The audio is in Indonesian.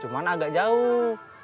cuman agak jauh